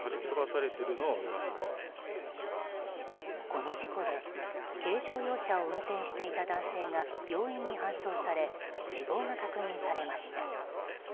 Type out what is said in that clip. この事故で軽乗用車を運転していた男性が病院に搬送され死亡が確認されました。